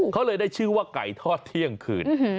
เขาเลยได้ชื่อว่าไก่ทอดเที่ยงคืน